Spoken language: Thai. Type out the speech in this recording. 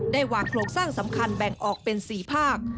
วางโครงสร้างสำคัญแบ่งออกเป็น๔ภาค